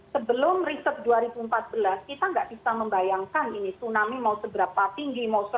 sebelum riset dua ribu empat belas kita nggak bisa membayangkan ini tsunami mau seberapa tinggi mau seratus meter lima puluh meter